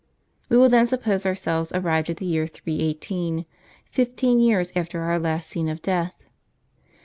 We will then suppose ourselves arrived at the year 318, fifteen years after our last scene of death.